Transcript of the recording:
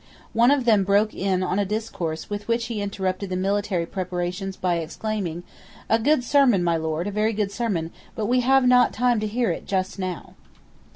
One of them broke in on a discourse with which he interrupted the military preparations by exclaiming, "A good sermon, my lord; a very good sermon; but we have not time to hear it just now."